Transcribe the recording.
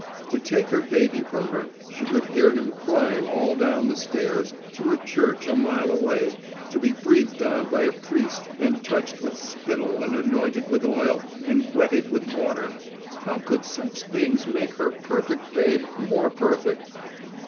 To take her baby from her, she could hear him crying all down stairs, to a church a mile away, to be breathed on by a priest and touched with spittle and anointed with oil and wetted with water how could such things make her perfect babe more perfect!